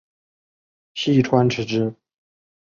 细川持之。